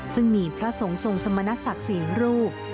ซึ่งมีพระสงสมศรรย์สมณะศักดิ์ศรีรูป